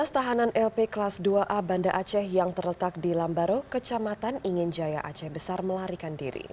satu ratus tiga belas tahanan lp kelas dua a banda aceh yang terletak di lambaro kecamatan inginjaya aceh besar melarikan diri